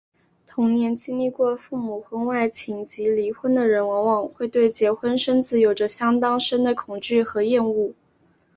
童年经历过父母婚外情及离婚的人往往会对结婚生子有着相当深的恐惧和厌恶。